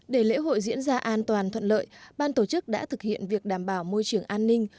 để lễ hội diễn ra an toàn thuận lợi ban tổ chức đã thực hiện việc đảm bảo môi trường an ninh